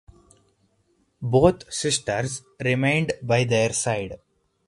Both sisters remained by their side.